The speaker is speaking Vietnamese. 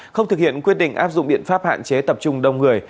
không thực hiện quyết định áp dụng biện pháp hạn chế tập trung đông người